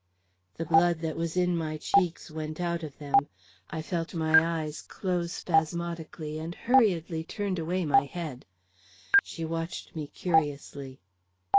The blood that was in my cheeks went out of them. I felt my eyes close spasmodically, and hurriedly turned away my head. She watched me curiously.